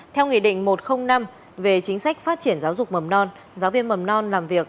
theo nghị định một trăm linh năm về chính sách phát triển giáo dục mầm non giáo viên mầm non làm việc